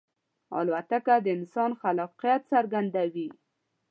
الوتکه د انسان خلاقیت څرګندوي.